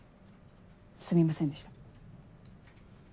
すみませんでした。